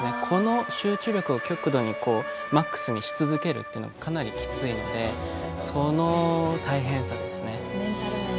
この集中力を極度にマックスにし続けるのはかなりきついのでその大変さですね。